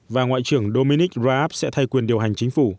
và ngoại trưởng dominic raab sẽ thay quyền điều hành chính phủ